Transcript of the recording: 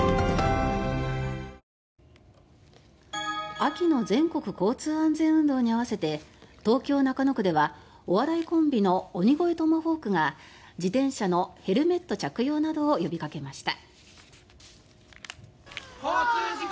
秋の全国交通安全運動に合わせて東京・中野区ではお笑いコンビの鬼越トマホークが自転車のヘルメット着用などを呼びかけました。